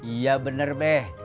iya bener be